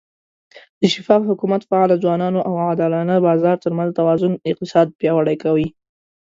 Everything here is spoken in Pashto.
د شفاف حکومت، فعاله ځوانانو، او عادلانه بازار ترمنځ توازن اقتصاد پیاوړی کوي.